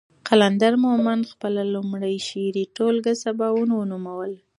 قلندر مومند خپله لومړۍ شعري ټولګه سباوون نوموله.